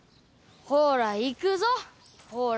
ほら行くぞほら